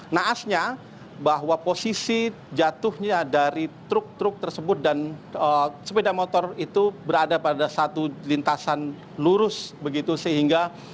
naasnya bahwa posisi jatuhnya dari truk truk tersebut dan sepeda motor itu berada pada satu lintasan lurus begitu sehingga